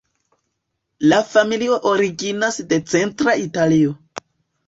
La familio originas de centra Italio.